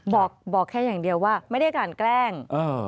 บอกแค่อย่างเดียวว่าไม่ได้การแกล้ง